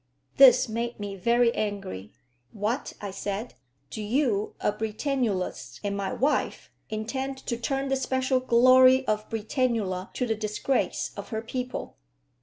This made me very angry. "What!" I said. "Do you, a Britannulist and my wife, intend to turn the special glory of Britannula to the disgrace of her people?